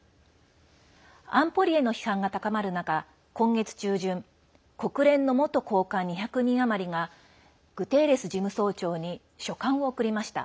安保理への批判が高まる中今月中旬国連の元高官２００人余りがグテーレス事務総長に書簡を送りました。